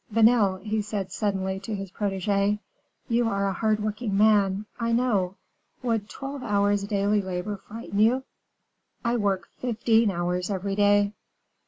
"Vanel," he said suddenly to his protege, "you are a hard working man, I know; would twelve hours' daily labor frighten you?" "I work fifteen hours every day."